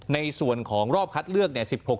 ในส่วนของรอบคัดเลือก๑๖